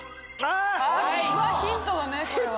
ヒントだねこれは。